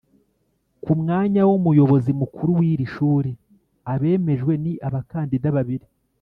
ku mwanya w’umuyobozi mukuru w’iri shuri, abemejwe ni abakandida babiri